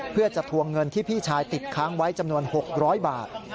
เพื่อจะทวงเงินที่พี่ชายติดค้างไว้จำนวน๖๐๐บาท